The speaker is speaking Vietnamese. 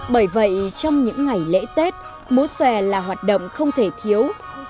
bởi vậy trong những ngày lễ tết múa xòe là hoạt động không thể thiếu